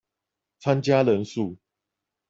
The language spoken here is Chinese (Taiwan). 參加人數